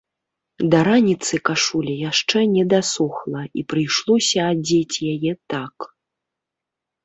Да раніцы кашуля яшчэ не дасохла і прыйшлося адзець яе так.